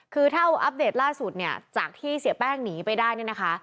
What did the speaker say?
คือถ้าเอาอัปเดตล่าสุดเนี่ยจากที่เสียแป้งหนีไปได้เนี่ยนะคะ